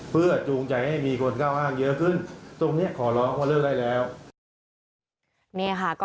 เพื่อจูงใจให้มีคนเข้าห้างเยอะขึ้น